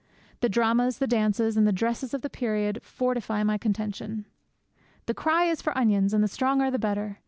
The dramas, the dances, and the dresses of the period fortify my contention. The cry is for onions, and the stronger the better.